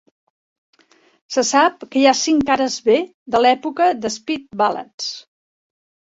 Se sap que hi ha cinc cares B de l'època d'"Speed Ballads".